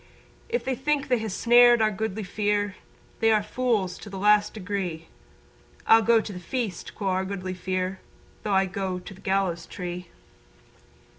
If they think they ha' snared our Goodly Fere They are fools to the last degree. "I'll go to the feast," quo' our Goodly Fere, "Though I go to the gallows tree."